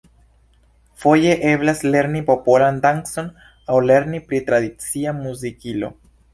Foje eblas lerni popolan dancon aŭ lerni pri tradicia muzikilo.